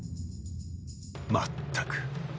まったく。